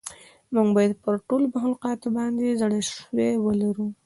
موږ باید پر ټولو مخلوقاتو باندې زړه سوی ولرو.